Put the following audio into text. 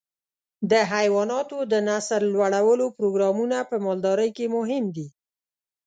د حيواناتو د نسل لوړولو پروګرامونه په مالدارۍ کې مهم دي.